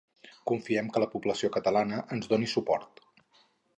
Confiem que la població catalana ens doni suport